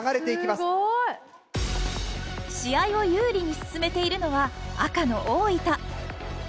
すごい。試合を有利に進めているのは赤の大分。